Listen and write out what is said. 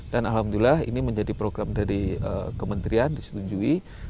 dan alhamdulillah ini menjadi program dari kementerian disetujui